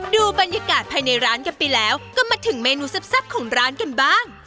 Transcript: ดูบรรยากาศภายในร้านกันไปแล้วก็มาถึงเมนูแซ่บของร้านกันบ้าง